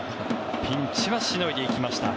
ピンチはしのいでいきました。